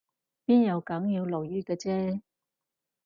邊有梗要落雨嘅啫？